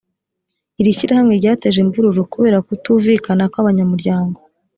iri shyirahamwe ryateje imvururu kubera kutuvikana kw’abanyamuryango